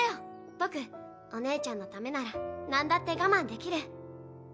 僕お姉ちゃんのためならなんだって我慢できる。